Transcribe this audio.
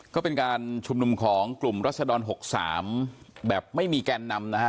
ก็เป็นการชุมนุมของกลุ่มรัศดร๖๓แบบไม่มีแกนนำนะฮะ